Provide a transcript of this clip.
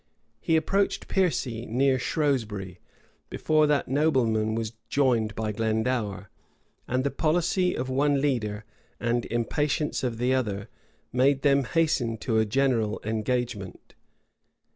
He approached Piercy near Shrewsbury, before that nobleman was joined by Glendour; and the policy of one leader, and impatience of the other, made them hasten to a general engagement.